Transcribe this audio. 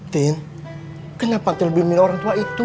tin kenapa aku lebih minat orang tua itu